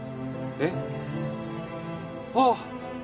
えっあっ！